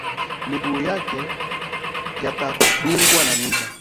Miguu yake yatadungwa na miba